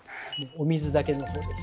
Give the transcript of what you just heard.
お水だけのほうです。